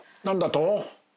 何だと？